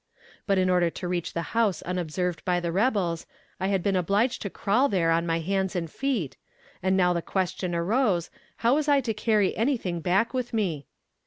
But in order to reach the house unobserved by the rebels I had been obliged to crawl there on my hands and feet, and now the question arose how was I to carry anything back with me?